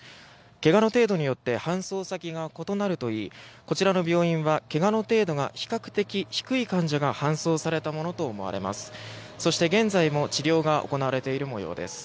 けがの程度によって搬送先が異なるといい、こちらの病院はけがの程度が比較的低い患者が搬送されたものと思われます。